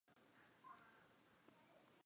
它在子宫切除术中有重要临床意义。